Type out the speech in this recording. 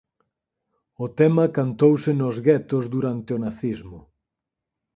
O tema cantouse nos guetos durante o nazismo.